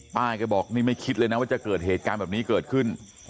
แกบอกนี่ไม่คิดเลยนะว่าจะเกิดเหตุการณ์แบบนี้เกิดขึ้น